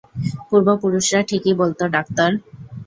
পূর্বপুরুষরা ঠিকই বলতো, ডাক্তার।